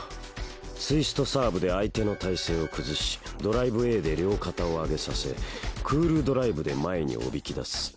ツイストサーブで相手の体勢を崩しドライブＡで両肩を上げさせＣＯＯＬドライブで前におびき出す。